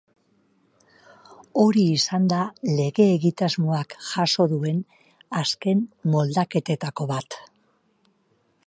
Hori izan da lege egitasmoak jaso duen azken moldaketetako bat.